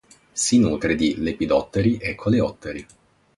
Si nutre di lepidotteri e coleotteri.